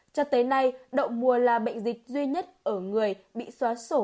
cho tới nay đậu mùa là bệnh dịch duy nhất ở người bị xóa sổ